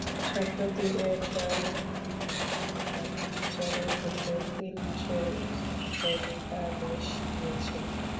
সম্প্রতি এ ট্রাইব্যুনাল এ মামলার বিচারের ক্ষেত্রে তিন মাসের স্থগিতাদেশ দিয়েছেন।